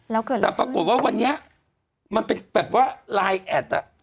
แล้วเกิดอะไรแต่ปรากฏว่าวันนี้มันเป็นแบบว่าไลน์แอดอ่ะ